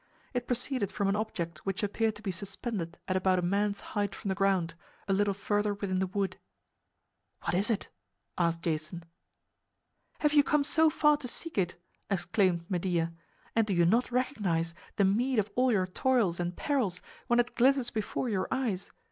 It proceeded from an object which appeared to be suspended at about a man's height from the ground, a little further within the wood. "What is it?" asked Jason. "Have you come so far to seek it," exclaimed Medea, "and do you not recognize the meed of all your toils and perils when it glitters before your eyes?